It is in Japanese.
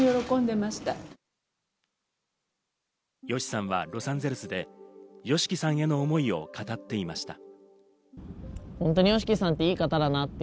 ＹＯＳＨＩさんはロサンゼルスでＹＯＳＨＩＫＩさんへの思いを語っていました。